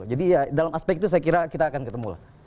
ya dalam aspek itu saya kira kita akan ketemu lah